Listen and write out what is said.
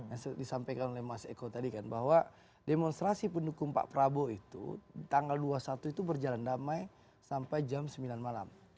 yang disampaikan oleh mas eko tadi kan bahwa demonstrasi pendukung pak prabowo itu tanggal dua puluh satu itu berjalan damai sampai jam sembilan malam